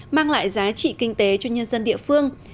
mang lại giá trị kinh tế cho nhân dân địa phương